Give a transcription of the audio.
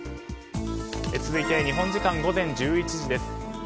続いて、日本時間午前１１時です。